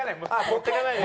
持っていかないで。